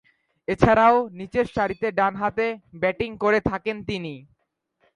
এছাড়াও, নিচেরসারিতে ডানহাতে ব্যাটিং করে থাকেন তিনি।